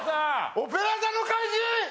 『オペラ座の怪人』！